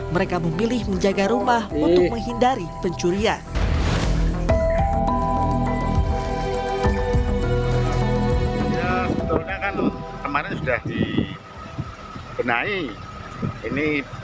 mereka memilih menjaga rumah untuk menghindari pencurian